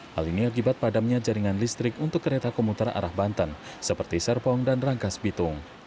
hal ini akibat padamnya jaringan listrik untuk kereta komuter arah banten seperti serpong dan rangkas bitung